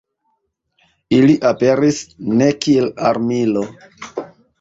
Ili aperis ne kiel armilo.